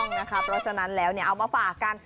เพราะฉะนั้นแล้วเอามาฝากกัน